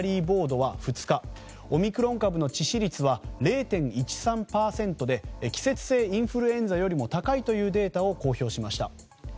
ボードは２日オミクロン株の致死率は０．１３％で季節性インフルエンザよりも高いというデータを公表しました。